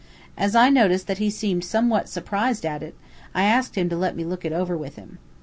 As I noticed that he seemed somewhat surprised at it, I asked him to let me look over it with him.